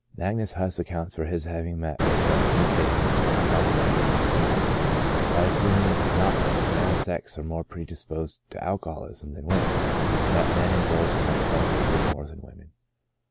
Magnus Huss accounts for his having met with but few cases of chronic alcoholism among females, by assuming, not that the male sex are more predisposed to alcoholism than women, but that men indulge in alcoholic liquors more than women.